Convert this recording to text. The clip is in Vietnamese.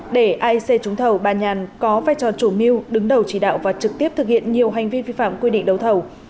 để aic trúng thầu bà nhàn có vai trò chủ mưu đứng đầu chỉ đạo và trực tiếp thực hiện nhiều hành vi vi phạm quy định đấu thầu